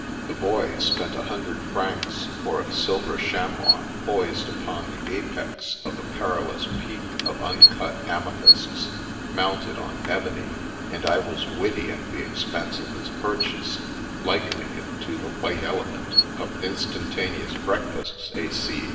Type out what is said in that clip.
The Boy spent a hundred francs for a silver chamois poised upon the apex of a peri lous peak of uncut amethysts, mounted on ebony, and I was witty at the expense of his purchase, liken ing it to the white elephant of Instantaneous Breakfasts et Cie.